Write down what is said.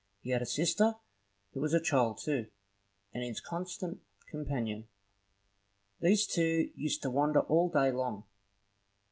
He had a sister, who was a child too, and his constant companion. These two used to wonder all day long.